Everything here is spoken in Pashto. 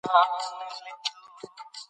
اوس یې د همدې خاورې